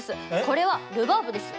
これはルバーブです。